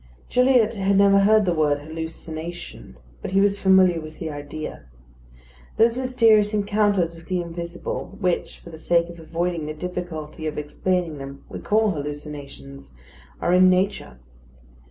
Gilliatt had never heard the word "hallucination," but he was familiar with the idea. Those mysterious encounters with the invisible, which, for the sake of avoiding the difficulty of explaining them, we call hallucinations, are in nature.